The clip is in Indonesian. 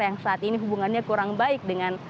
yang saat ini hubungannya kurang baik dengan